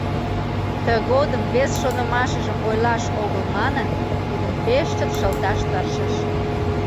Тыгодым вес шонымашыжым ойлаш огыл манын, тудым пеш чот шылташ тыршыш.